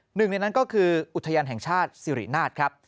หนึ่งในนั้นก็คืออุทยานแห่งชาติสิรินาทครับ